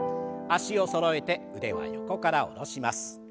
脚をそろえて腕は横から下ろします。